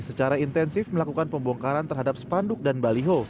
secara intensif melakukan pembongkaran terhadap spanduk dan baliho